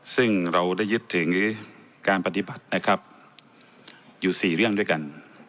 ซึ่งเราได้ยึดถึงการปฏิบัตินะครับอยู่๔เรื่องด้วยกัน